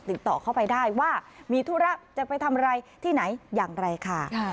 ติดต่อเข้าไปได้ว่ามีธุระจะไปทำอะไรที่ไหนอย่างไรค่ะ